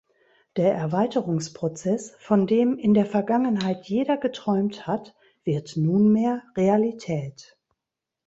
Der Erweiterungsprozess, von dem in der Vergangenheit jeder geträumt hat, wird nunmehr Realität.